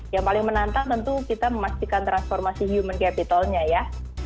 yang paling menantang tentu kita memastikan transformasi human capitalnya ya